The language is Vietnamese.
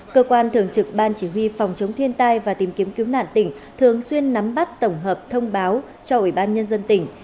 cơ quan thường trực ban chỉ huy phòng chống thiên tai và tìm kiếm cứu nạn tỉnh thường xuyên nắm bắt tổng hợp thông báo cho ủy ban nhân dân tỉnh